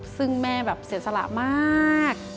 ซึ่งแม่แบบเสียสละมาก